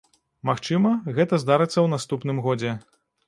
Магчыма, гэта здарыцца ў наступным годзе.